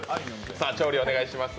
さぁ、調理をお願いします。